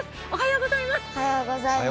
９歳です、おはようございます。